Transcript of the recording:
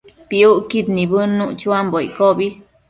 Piucquid nibëdnuc chuambo iccobi